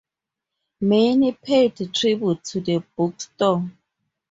Many paid tribute to the bookstore.